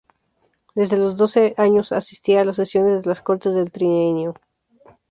Desde los doce años asistía a las sesiones de las Cortes del Trienio.